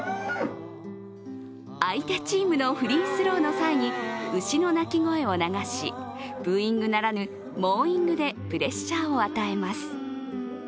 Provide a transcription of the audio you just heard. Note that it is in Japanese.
相手チームのフリースローの際に牛の鳴き声を流しブーイングならぬモーイングでプレッシャーを与えます。